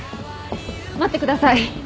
待ってください。